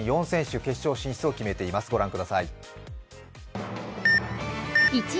４選手、決勝進出を決めています、ご覧ください。